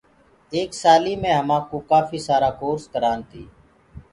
ايڪ سآليٚ مي همآ ڪوٚ ڪاڦيٚ سآرآ ڪورس ڪرآن تي۔